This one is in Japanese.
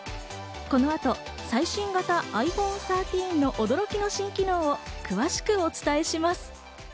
このあと最新型ｉＰｈｏｎｅ１３の驚きの新機能を詳しくお伝えします。